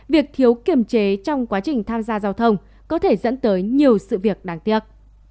việc thiếu kiềm chế trong quá trình tham gia giao thông có thể dẫn tới nhiều sự việc đáng tiếc